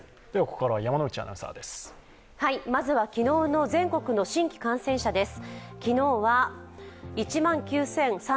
昨日の全国の新規感染者です。